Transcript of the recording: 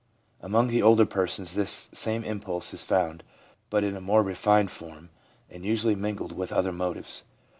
Among the older persons this same impulse is found, but in a more refined form, and usually mingled with other motives.